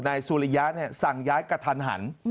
นายทรุยะเนี่ยสั่งย้ายกระทันหัน